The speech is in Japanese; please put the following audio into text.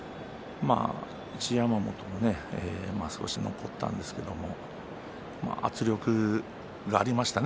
一山本も少し残ったんですが圧力がありましたね